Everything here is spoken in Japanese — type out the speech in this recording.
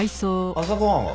朝ご飯は？